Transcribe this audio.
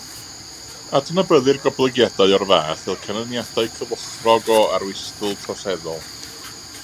Adnabyddir goblygiadau o'r fath fel canlyniadau cyfochrog o arwystl troseddol.